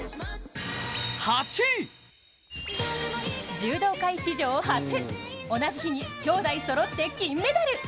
柔道界史上初同じ日に兄妹そろって金メダル。